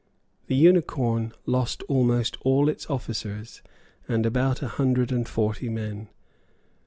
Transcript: The Unicorn lost almost all its officers, and about a hundred and forty men.